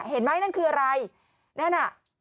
เห็นไหมนั่นคืออะไรนั่นน่ะ